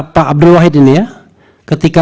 pak abdul wahid ini ya ketika